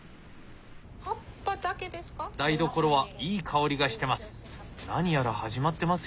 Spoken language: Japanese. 台所はいい香りがしてます。